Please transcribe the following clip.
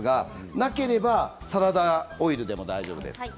なければサラダオイルでも大丈夫です。